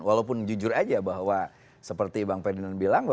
walaupun jujur aja bahwa seperti bang ferdinand bilang